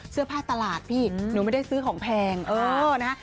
เสื้อผ้าตลาดพี่หนูไม่ได้ซื้อของแพงเออนะฮะ